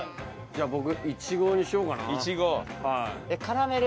じゃあ僕いちごにしようかな。